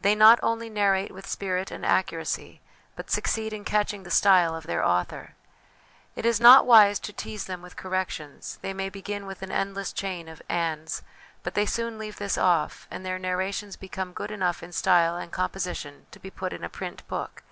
They not only narrate with spirit and accuracy, but succeed in catching the style of their author. It is not wise to tease them with corrections ; they may begin with an endless chain of ' ands,' but they soon leave this off, and their narrations become good enough in style and composition to be put in a ' print book